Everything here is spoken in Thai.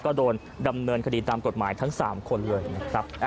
ก็โดนดำเนินคดีตามกฎหมายทั้ง๓คนเลยนะครับ